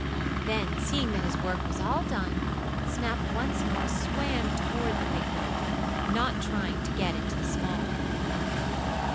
Then, seeing that his work was all done, Snap once more swam toward the big boat, not trying to get into the small one.